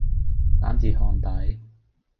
蛋治烘底